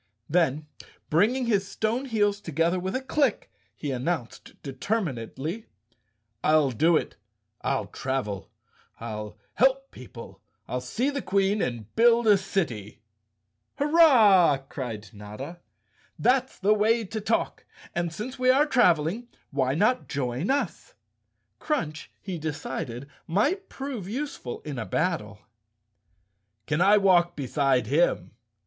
Then, bring¬ ing his stone heels together with a click, he announced determinedly, "I'll do it! I'll travel, I'll help people, I'll see the Queen and build a city!" "Hurrah!" cried Notta. "That's the way to talk. And since we are traveling, why not join us?" Crunch, he decided, might prove useful in a battle. "Can I walk beside him?"